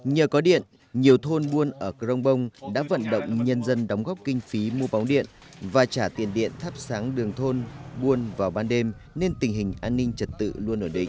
nhờ có điện nhiều thôn buôn ở crong bông đã vận động nhân dân đóng góp kinh phí mua báo điện và trả tiền điện thắp sáng đường thôn buôn vào ban đêm nên tình hình an ninh trật tự luôn ở định